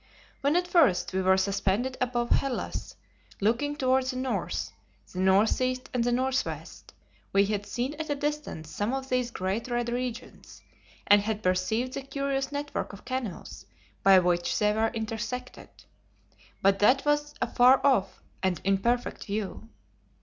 When at first we were suspended above Hellas, looking toward the north, the northeast and the northwest, we had seen at a distance some of these great red regions, and had perceived the curious network of canals by which they were intersected. But that was a far off and imperfect view.